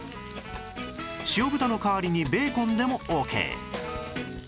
塩豚の代わりにベーコンでもオーケー